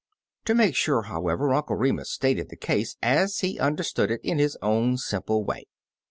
To make sure, Uncle Remus Returns however, Uncle Remus stated the case as he understood it in his own simple way.